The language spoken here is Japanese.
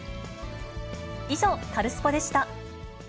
以上、カルスポっ！でした。